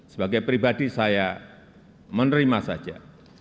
saya menerima saja